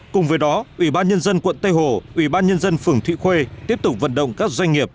cùng với đó ủy ban nhân dân quận tây hồ ủy ban nhân dân phường thụy khuê tiếp tục vận động các doanh nghiệp